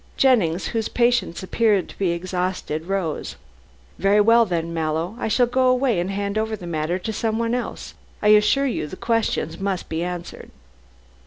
Jennings, whose patience appeared to be exhausted, rose. "Very well, then, Mallow. I shall go away and hand over the matter to someone else. I assure you the questions must be answered."